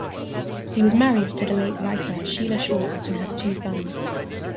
He was married to the late writer Sheila Schwartz and has two sons.